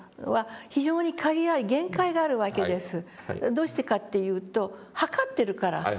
どうしてかっていうと測ってるから。